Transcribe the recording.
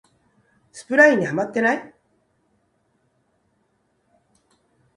スプラインにハマってない